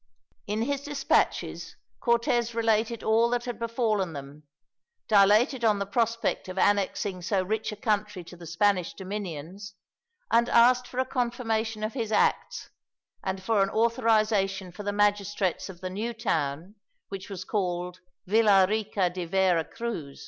In his dispatches Cortez related all that had befallen them, dilated on the prospect of annexing so rich a country to the Spanish dominions, and asked for a confirmation of his acts, and for an authorization for the magistrates of the new town, which was called Villa Rica de Vera Cruz.